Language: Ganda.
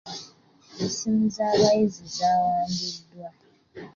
Essimu z'abayizi zaawambiddwa.